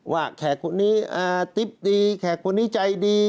แขกคนนี้ติ๊บดีแขกคนนี้ใจดี